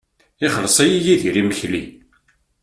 Ixelleṣ-iyi Yidir imekli.